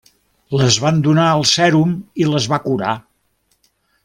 Les van donar el sèrum i les va curar.